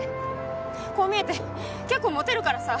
こう見えて結構モテるからさ